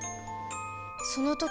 その時